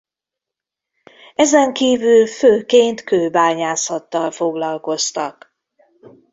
Ezen kívül főként kőbányászattal foglalkoztak.